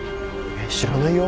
知らないよ？